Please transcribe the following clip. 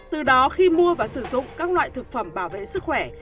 từ đó khi mua và sử dụng các loại thực phẩm bảo vệ sức khỏe